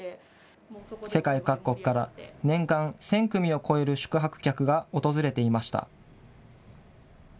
世界各国から年間１０００組を超える宿泊客が訪れていました。